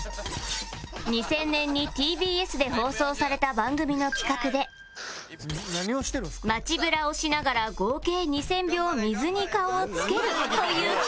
２０００年に ＴＢＳ で放送された番組の企画で街ブラをしながら合計２０００秒水に顔をつけるという企画に挑戦